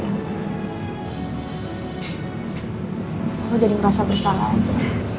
aku jadi ngerasa bersalah aja